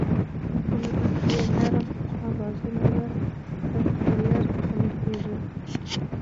بله برخه یې نرم اوزار یا سافټویر بلل کېږي